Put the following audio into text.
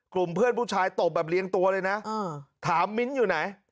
กลุ่มเพื่อนผู้ชายตบแบบเรียงตัวเลยนะถามมิ้นท์อยู่ไหน